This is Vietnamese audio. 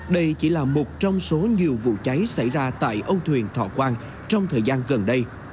đây chỉ là một trong số nhiều vụ cháy xảy ra tại âu thuyền thọ quang trong thời gian gần đây